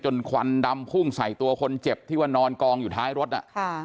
ควันดำพุ่งใส่ตัวคนเจ็บที่ว่านอนกองอยู่ท้ายรถอ่ะค่ะ